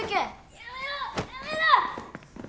やめろ！